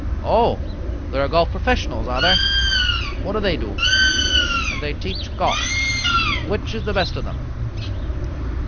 "Oh, there are golf professionals, are there? What do they do?" "They teach golf." "Which is the best of them?"